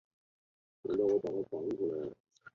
大宗师就是道德与能力都达到顶点的真人或师者。